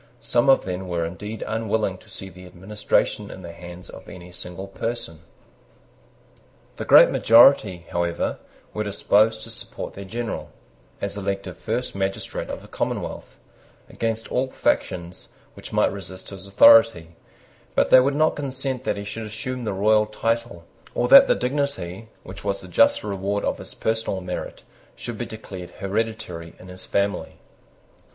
Some of them were indeed unwilling to see the administration in the hands of any single person. The great majority, however, were disposed to support their general, as elective first magistrate of a commonwealth, against all factions which might resist his authority: but they would not consent that he should assume the regal title, or that the dignity, which was the just reward of his personal merit, should be declared hereditary in his family.